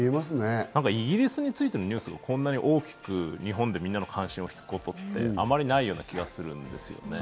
イギリスについてのニュースをこんなに大きく日本でみんなの関心を引くことってあまりないような気がするんですよね。